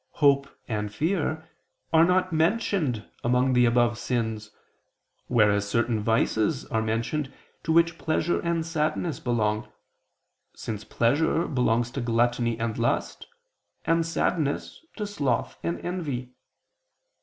hope and fear, are not mentioned among the above sins, whereas certain vices are mentioned to which pleasure and sadness belong, since pleasure belongs to gluttony and lust, and sadness to sloth and envy.